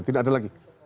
tidak ada lagi